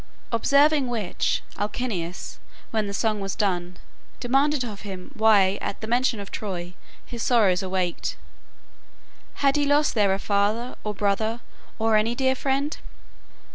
Observing which, Alcinous, when the song was done, demanded of him why at the mention of Troy his sorrows awaked. Had he lost there a father, or brother, or any dear friend?